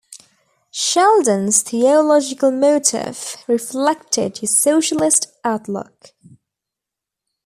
Sheldon's theological motif reflected his socialist outlook.